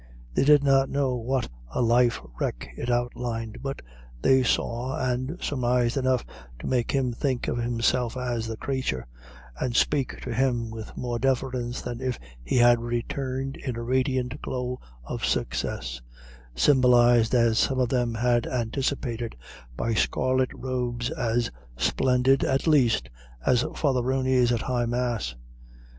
They did not know what a life wreck it outlined, but they saw and surmised enough to make them think of him as "the crathur," and speak to him with more deference than if he had returned in a radiant glow of success, symbolised as some of them had anticipated, by scarlet robes as splendid, at least, as Father Rooney's at High Mass.